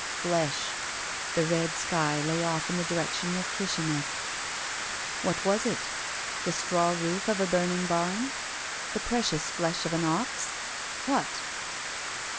Flesh ! The red sky lay off in the direction of Kishinef . What was it ? The straw roof of a burning bam? The precious flesh of an ox? What?